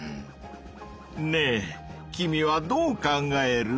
ねえ君はどう考える？